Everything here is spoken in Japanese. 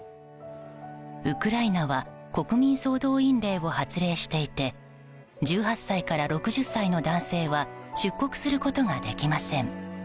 ウクライナは国民総動員令を発令していて１８歳から６０歳の男性は出国することができません。